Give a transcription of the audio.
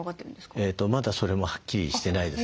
まだそれもはっきりしてないですね